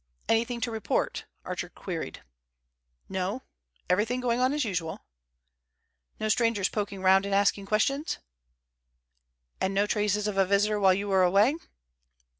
"Anything to report?" Archer queried. "No. Everything going on as usual." "No strangers poking round and asking questions?" "And no traces of a visitor while you were away?"